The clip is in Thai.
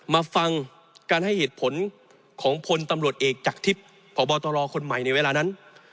มาฟังการให้เหตุผลของพลตำรวจเอกจากทิพย์พบตรคนใหม่ในเวลานั้น